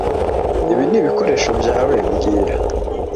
Ibi nibikoresho byawe mbwira